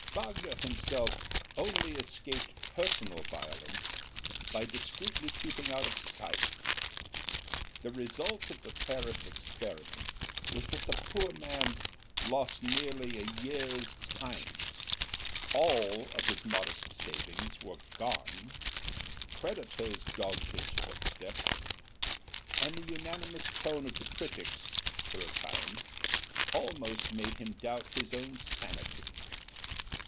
Wagner himself only escaped personal violence by discreetly keeping out of sight. The result of the Paris experiment was that the poor man lost nearly a year's time, all of his modest savings were gone, creditors dogged his footsteps, and the unanimous tone of the critics, for a time, almost made him doubt his own sanity.